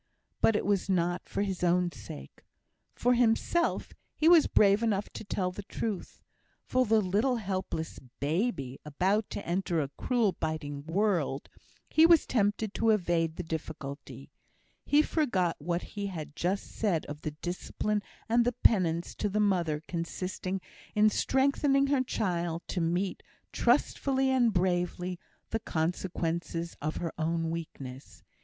But it was not for his own sake. For himself, he was brave enough to tell the truth; for the little helpless baby, about to enter a cruel, biting world, he was tempted to evade the difficulty. He forgot what he had just said, of the discipline and penance to the mother consisting in strengthening her child to meet, trustfully and bravely, the consequences of her own weakness.